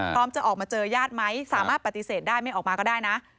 พร้อมจะออกมาเจอญาติไหมสามารถปฏิเสธได้ไม่ออกมาก็ได้นะ